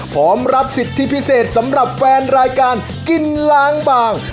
พร้อมรับสิทธิพิเศษสำหรับแฟนรายการกินล้างบาง